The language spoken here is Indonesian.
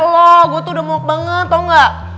lu gua tuh udah muak banget tau gak